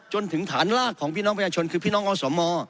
จนถึงฐานลากของพี่น้องประชาชนคือพี่น้องอสม